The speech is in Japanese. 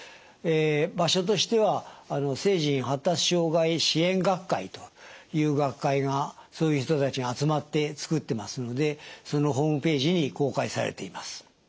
場所としては成人発達障害支援学会という学会がそういう人たちが集まって作ってますのでそのホームページに公開されています。